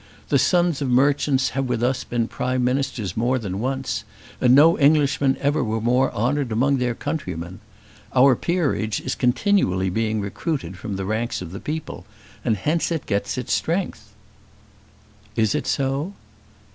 The sons of merchants have with us been Prime Ministers more than once, and no Englishmen ever were more honoured among their countrymen. Our peerage is being continually recruited from the ranks of the people, and hence it gets its strength." "Is it so?"